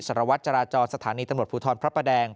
สารวัตรจราจรสถานีตำรวจภูทรพระประแดง